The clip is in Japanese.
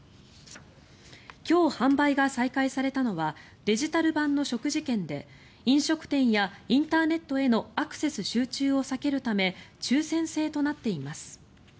今日、販売が再開されたのはデジタル版の食事券で飲食店やインターネットへのアクセス集中を避けるため抽選制となっています。